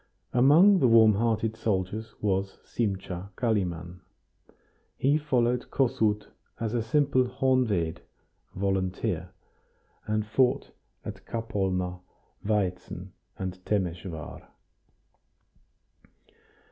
Among the warm hearted soldiers was Simcha Kalimann. He followed Kossuth as a simple honved (volunteer), and fought at Kapolna, Vaitzen, and Temesvar.